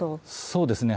そうですね。